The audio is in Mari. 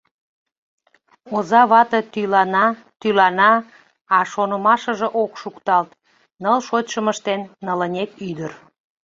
Оза вате тӱлана, тӱлана, а шонымашыже ок шукталт: ныл шочшым ыштен — нылынек ӱдыр!